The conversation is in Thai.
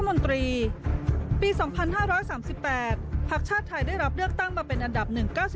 และมณตรีวันชาติไทยได้รับเลือกตั้งมาเป็นอันดับ๑๙๒